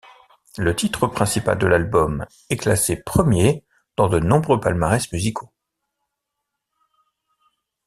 Le titre principal de l'album, est classé premier dans de nombreux palmarès musicaux.